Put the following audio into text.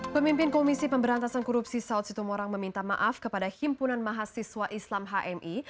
pemimpin komisi pemberantasan korupsi saud situmorang meminta maaf kepada himpunan mahasiswa islam hmi